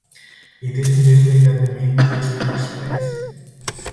It is on this day that the main feast takes place.